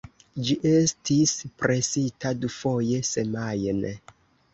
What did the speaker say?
Ĝi estis presita dufoje semajne.